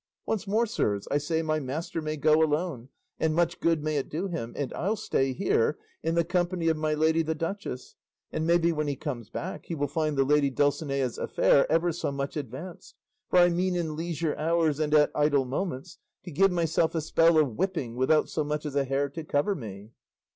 Once more, sirs, I say my master may go alone, and much good may it do him; and I'll stay here in the company of my lady the duchess; and maybe when he comes back, he will find the lady Dulcinea's affair ever so much advanced; for I mean in leisure hours, and at idle moments, to give myself a spell of whipping without so much as a hair to cover me."